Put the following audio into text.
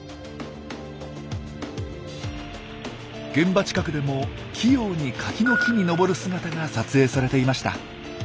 現場近くでも器用にカキの木に登る姿が撮影されていました。